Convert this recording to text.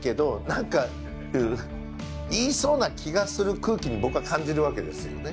何か言いそうな気がする空気に僕は感じるわけですよね。